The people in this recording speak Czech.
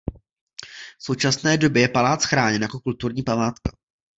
V současné době je palác chráněn jako kulturní památka.